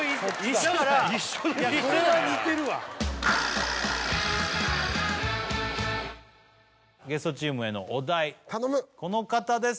だからこれは似てるわゲストチームへのお題この方です